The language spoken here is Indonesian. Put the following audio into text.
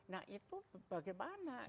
nah itu bagaimana